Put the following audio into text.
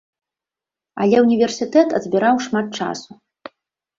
Але ўніверсітэт адбіраў шмат часу.